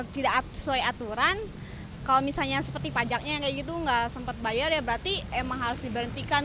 tidak sesuai aturan kalau misalnya seperti pajaknya yang kayak gitu nggak sempat bayar ya berarti emang harus diberhentikan